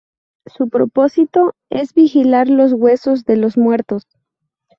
Su propósito es vigilar los huesos de los muertos.